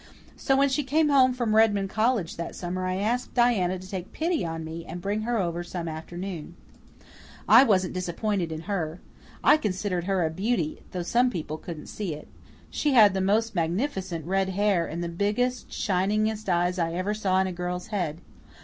So when she came home from Redmond College that summer I asked Diana to take pity on me and bring her over some afternoon. I wasn't disappointed in her. I considered her a beauty, though some people couldn't see it. She had the most magnificent red hair and the biggest, shiningest eyes I ever saw in a girl's head.